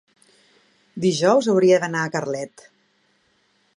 Dijous hauria d'anar a Carlet.